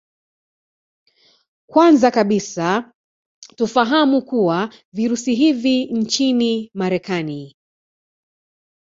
Kwanza kabisa tufahamu kuwa Virusi hivi nchini Marekani